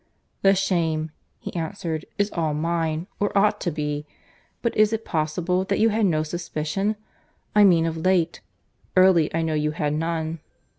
"The shame," he answered, "is all mine, or ought to be. But is it possible that you had no suspicion?—I mean of late. Early, I know, you had none."